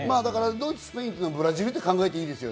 ドイツ、スペインはブラジルと考えていいです。